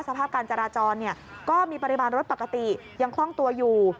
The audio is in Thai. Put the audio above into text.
สภาพการจราจรก็มีปริมาณรถปกติยังคล่องตัวอยู่